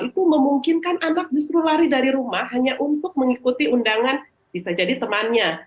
itu memungkinkan anak justru lari dari rumah hanya untuk mengikuti undangan bisa jadi temannya